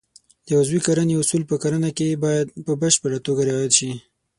د عضوي کرنې اصول په کرنه کې باید په بشپړه توګه رعایت شي.